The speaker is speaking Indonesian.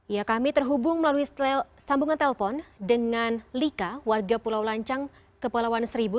ya kami terhubung melalui sambungan telpon dengan lika warga pulau lancang kepulauan seribu